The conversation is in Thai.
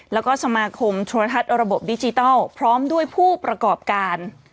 แล้วก็สมาคมโทรทัศน์ระบบดิจิทัลพร้อมด้วยผู้ประกอบการ